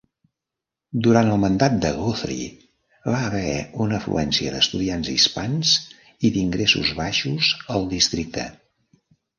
Durant el mandat de Guthrie, va haver una afluència d'estudiants hispans i d'ingressos baixos al districte.